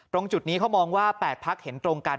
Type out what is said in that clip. ตรงจุดนี้เขามองว่า๘พักเห็นตรงกัน